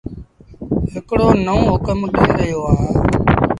هڪڙو نئونٚ هُڪم ڏي رهيو اهآنٚ